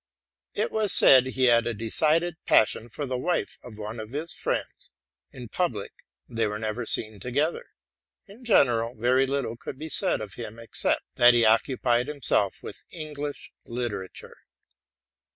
It was said he had a decided passion for the wife of one of his friends. In public they were never seen together. In general very little could be said of him, except "that he occupied himself with English literature.